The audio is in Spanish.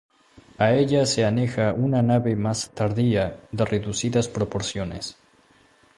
A ella se aneja una nave más tardía de reducidas proporciones.